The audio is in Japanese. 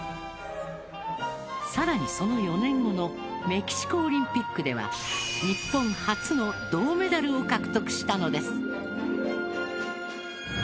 更に、その４年後のメキシコオリンピックでは日本初の銅メダルを獲得したのです。